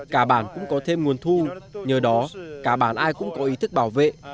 cả bản cũng có thêm nguồn thu nhờ đó cả bản ai cũng có ý thức bảo vệ